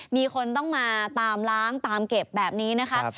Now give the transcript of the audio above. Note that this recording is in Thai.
มีคนต้องมาตามล้างตามเก็บแบบนี้นะคะ